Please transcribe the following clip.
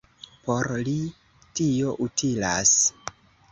Por li tio utilas!